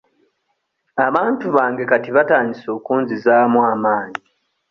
Abantu bange kati batandise okunzizaamu amaanyi.